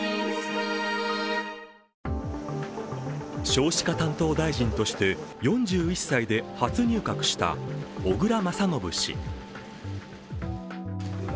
少子化担当大臣として４１歳で初入閣した小倉将信氏。